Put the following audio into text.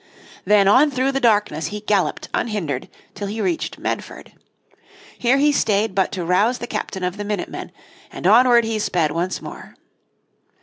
Then on through the darkness he galloped unhindered till he reached Medford. Here he stayed but to rouse the captain of the minute men, and onward he sped once more.